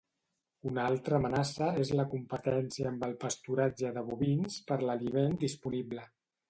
Una altra amenaça és la competència amb el pasturatge de bovins per l'aliment disponible.